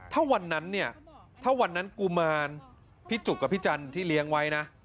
ถ้าวันนั้นเนี่ยถ้าวันนั้นกุมารพี่จุกกับพี่จันทร์ที่เลี้ยงไว้นะ